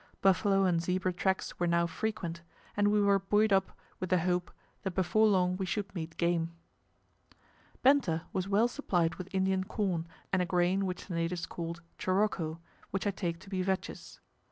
Buffalo and zebra tracks were now frequent, and we were buoyed up with the hope that before long we should meet game. Benta was well supplied with Indian corn and a grain which the natives called choroko, which I take to be vetches.